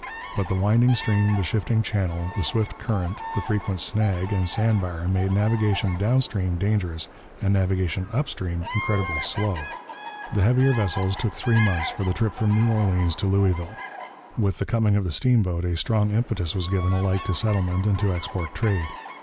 But the winding stream, the shifting channel, the swift current, the frequent snag and sand bar made navigation down stream dangerous and navigation upstream incredibly slow: the heavier vessels took three months for the trip from New Orleans to Louisville. With the coming of the steamboat a strong impetus was given alike to settlement and to export trade.